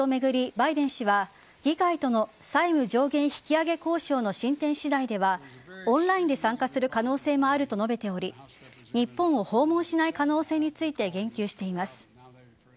バイデン氏は議会との債務上限引き上げ交渉の進展次第ではオンラインで参加する可能性もあると述べており日本を訪問しない可能性について言及しています。